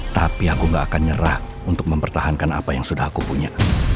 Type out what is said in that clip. tapi aku gak akan nyerah untuk mempertahankan apa yang sudah aku punya